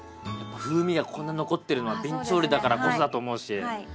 風味がこんな残ってるのはびん調理だからこそだと思うし。